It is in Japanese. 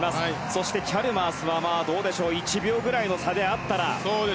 そして、チャルマースは１秒ぐらいの差であったら。